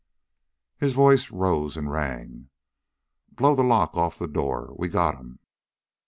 His voice rose and rang. "Blow the lock off'n that door. We got him!"